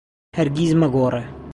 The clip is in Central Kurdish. هەرگیز مەگۆڕێ.